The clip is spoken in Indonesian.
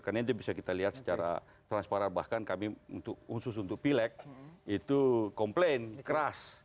karena itu bisa kita lihat secara transparan bahkan kami untuk unsus untuk pilek itu komplain keras